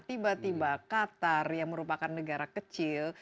tiba tiba qatar yang merupakan negara kecil